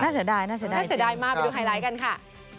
เสียดายน่าเสียดายน่าเสียดายมากไปดูไฮไลท์กันค่ะ